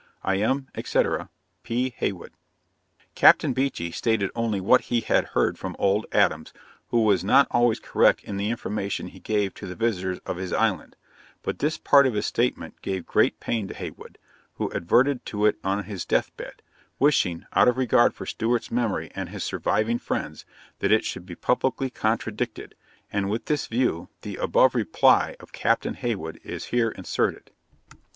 I am, etc., 'P. HEYWOOD.' Captain Beechey stated only what he had heard from old Adams, who was not always correct in the information he gave to the visitors of his island; but this part of his statement gave great pain to Heywood, who adverted to it on his death bed, wishing, out of regard for Stewart's memory and his surviving friends, that it should be publicly contradicted; and with this view the above reply of Captain Heywood is here inserted.